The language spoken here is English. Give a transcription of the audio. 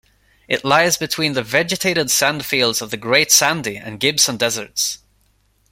It lies between the vegetated sand fields of the Great Sandy and Gibson Deserts.